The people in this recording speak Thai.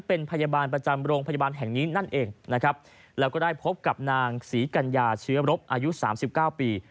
เป็นพยาบาลประจำโรงพยาบาลแห่งนี้นั่นเองนะครับแล้วก็ได้พบกับนางศรีกัญญาเชื้อรบอายุสามสิบเก้าปี